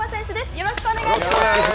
よろしくお願いします！